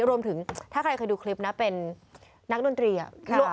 รวมถึงถ้าใครเคยดูคลิปนะเป็นนักดนตรี